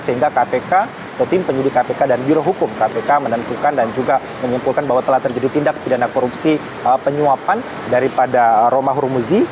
sehingga kpk atau tim penyidik kpk dan birohukum kpk menentukan dan juga menyimpulkan bahwa telah terjadi tindak pidana korupsi penyuapan daripada romahur muzi